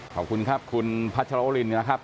ขอบคุณครับคุณพัชรวรินนะครับ